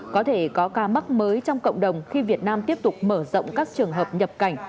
có thể có ca mắc mới trong cộng đồng khi việt nam tiếp tục mở rộng các trường hợp nhập cảnh